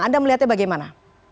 anda melihatnya bagaimana